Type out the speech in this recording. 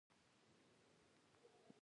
پیرودونکي د غوره انتخاب لپاره مقایسه کوي.